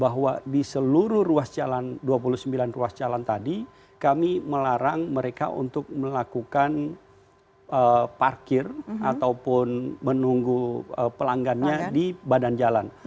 bahwa di seluruh ruas jalan dua puluh sembilan ruas jalan tadi kami melarang mereka untuk melakukan parkir ataupun menunggu pelanggannya di badan jalan